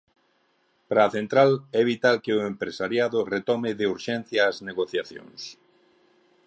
Para a central, é vital que o empresariado retome "de urxencia" as negociacións.